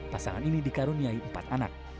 pasangan ini dikaruniai empat anak